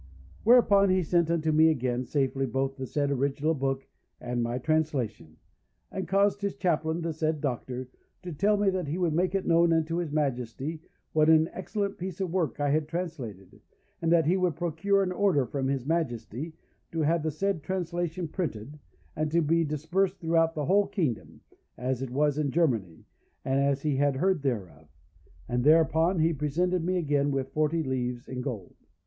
Whereupon he sent unto me again safely both the said original book and my translation, and caused his Chaplain, the said Doctor, to tell me that he would make it known unto his Majesty what an excellent piece of work I had translated, and that he would procure an order from his Majesty to have the said translation printed, and to be dispersed throughout the whole kingdom, as it was in Germany, and as he had heard thereof; and thereupon he presented me again with forty livres in gold.